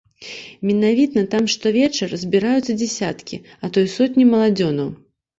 Менавіта там штовечар збіраюцца дзесяткі, а то і сотні маладзёнаў.